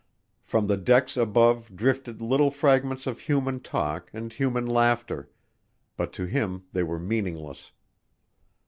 From the decks above drifted little fragments of human talk and human laughter, but to him they were meaningless.